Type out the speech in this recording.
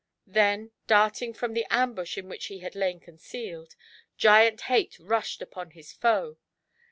Then darting from the ambush in which he had lain concealed. Giant Hate inished upon his foe.